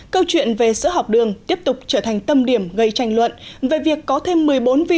câu chuyện về sữa học đường tiếp tục trở thành tâm điểm gây tranh luận về việc có thêm một mươi bốn vi